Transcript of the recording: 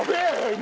今！